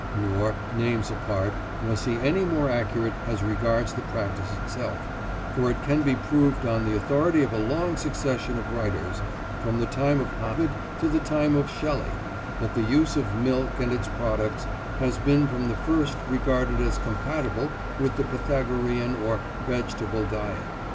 Nor, names apart, was he any more accurate as regards the practice itself, for it can be proved on the authority of a long succession of writers, from the time of Ovid to the time of Shelley, that the use of milk and its products has been from the first regarded as compatible with the Pythagorean or "vegetable" diet.